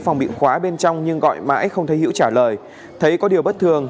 lực lượng quá bên trong nhưng gọi mãi không thấy hữu trả lời thấy có điều bất thường